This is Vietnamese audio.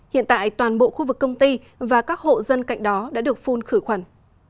hiện tại toàn bộ khu vực công ty và các hộ dân cạnh đó đã được phun khử khuẩn